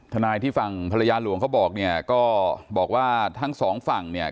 ทนายที่ฝั่งภรรยาหลวงเขาบอกเนี่ยก็บอกว่าทั้งสองฝั่งเนี่ย